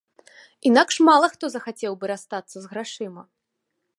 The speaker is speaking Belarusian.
Інакш мала хто захацеў бы расстацца з грашыма.